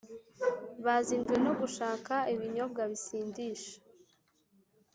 Bazinduwe no gushaka ibinyobwa bisindisha